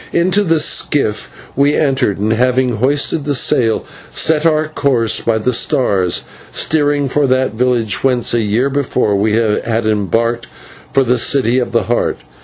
Into this skiff we entered, and, having hoisted the sail, set our course by the stars, steering for that village whence, a year before, we had embarked for the City of the Heart.